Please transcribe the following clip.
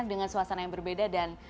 dengan suasana yang berbeda dan